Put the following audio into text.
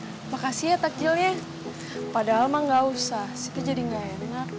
terima kasih ya takjilnya padahal mah gak usah sih jadi nggak enak